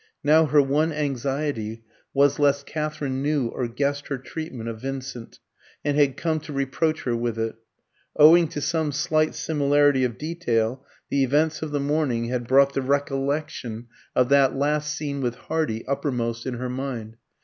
Now her one anxiety was lest Katherine knew or guessed her treatment of Vincent, and had come to reproach her with it. Owing to some slight similarity of detail, the events of the morning had brought the recollection of that last scene with Hardy uppermost in her mind.